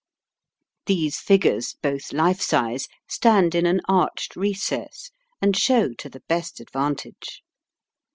These figures, both life size, stand in an arched recess, and show to the best advantage.